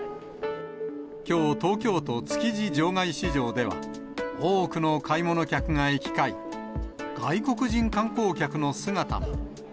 きょう、東京都築地場外市場では、多くの買い物客が行き交い、外国人観光客の姿も。